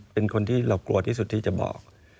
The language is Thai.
เป็นคนที่เรากลัวที่สุดที่จะบอก